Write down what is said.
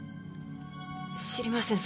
知りません